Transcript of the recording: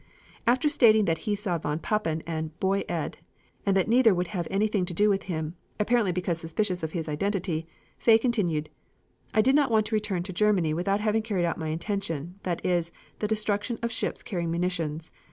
After stating that he saw von Papen and Boy Ed, and that neither would have anything to do with him, apparently because suspicious of his identity, Fay continued: "I did not want to return (to Germany) without having carried out my intention, that is, the destruction of ships carrying munitions.